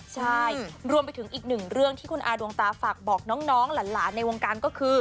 ใช่รวมไปถึงอีกหนึ่งเรื่องที่คุณอาดวงตาฝากบอกน้องหลานในวงการก็คือ